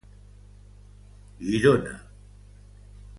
Girona.